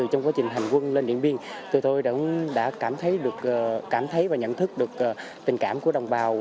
hành quân lên điện biên tụi tôi cũng đã cảm thấy và nhận thức được tình cảm của đồng bào